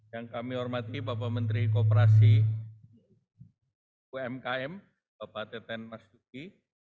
yang kami hormati bapak menteri kooperasi umkm bapak teten mas duki